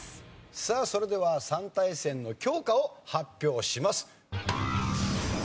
さあそれでは３対戦の教科を発表します。